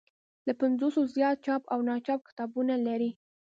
له پنځوسو زیات چاپ او ناچاپ کتابونه لري.